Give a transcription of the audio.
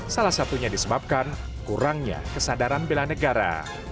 salah satunya disebabkan kurangnya kesadaran bela negara